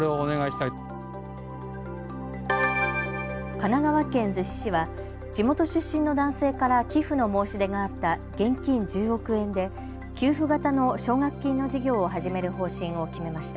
神奈川県逗子市は地元出身の男性から寄付の申し出があった現金１０億円で給付型の奨学金の事業を始める方針を決めました。